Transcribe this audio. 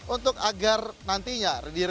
untuk agar nantinya